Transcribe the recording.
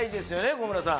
小村さん